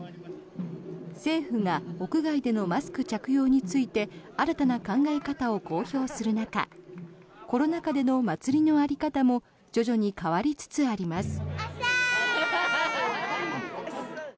政府が屋外でのマスク着用について新たな考え方を公表する中コロナ禍での祭りの在り方も徐々に変わりつつあります。